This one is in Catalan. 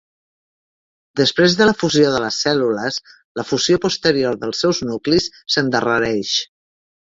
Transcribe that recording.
Després de la fusió de les cèl·lules, la fusió posterior dels seus nuclis s'endarrereix.